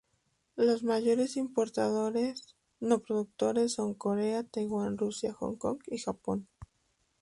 Los mayores importadores no productores son Corea, Taiwán, Rusia, Hong Kong y Japón.